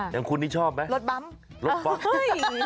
อย่างคุณนี่ชอบไหมรถบั๊มเฮ้ย